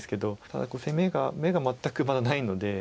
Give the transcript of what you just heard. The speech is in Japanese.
ただこれ攻めが眼が全くまだないので。